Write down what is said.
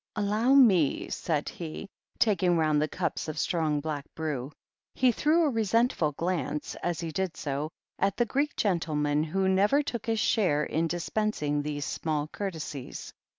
"Allow me," said he, taking round the cups of strong, black brew. He threw a resentful glance, as he did so, at the Greek gentleman, who never took his share in dispensing these small courtesies.